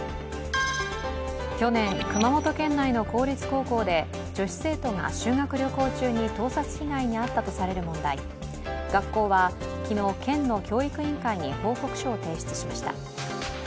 去年、熊本県内の公立高校で女子生徒が修学旅行中に盗撮被害に遭ったとされる問題、学校は、昨日、県の教育委員会に報告書を提出しました。